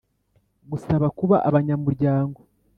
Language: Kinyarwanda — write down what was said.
Gusaba kuba abanyamuryango